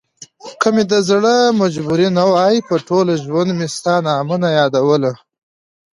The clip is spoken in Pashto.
که مې دزړه مجبوري نه وای په ټوله ژوندمي ستا نامه نه يادوله